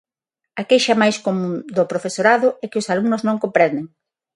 A queixa máis común do profesorado é que os alumnos non comprenden.